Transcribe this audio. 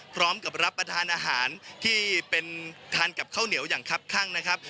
พร้อมกับรับประทานอาหารที่เป็นทานกับข้าวเหนียวอย่างครับข้างนะครับ